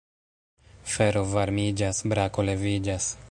Fero varmiĝas, Brako leviĝas.